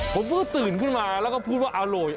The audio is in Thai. ผมก็ตื่นขึ้นมาแล้วก็พูดว่าอร่อย